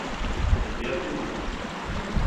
Wer bin Ich?